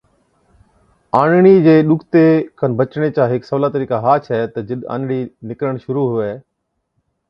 آنڙِي چي ڏُکتي کن بَچڻي چا هيڪ سولا طرِيقا ها ڇَي تہ جِڏ آنڙِي نِڪرڻ شرُوع هُوَي۔